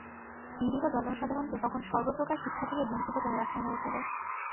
নিরীহ জনসাধারণকে তখন সর্বপ্রকার শিক্ষা থেকে বঞ্চিত করে রাখা হয়েছিল।